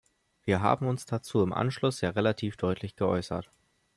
Wir haben uns dazu im Anschluss ja relativ deutlich geäußert.